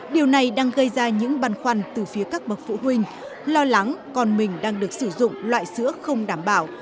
điều này đang gây ra những băn khoăn từ phía các bậc phụ huynh lo lắng còn mình đang được sử dụng loại sữa không đảm bảo